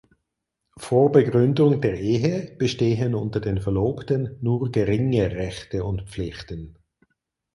Vor Begründung der Ehe bestehen unter den Verlobten nur geringe Rechte und Pflichten.